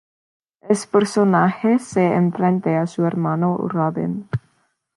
El personaje se enfrente a su hermano, "Robin".